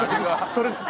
それです。